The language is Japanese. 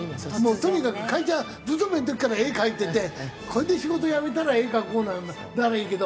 とにかく会社勤めの時から絵描いててこれで仕事辞めたら絵描こうならいいけど。